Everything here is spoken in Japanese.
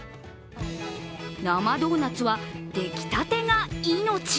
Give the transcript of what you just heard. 生ドーナツは出来たてが命。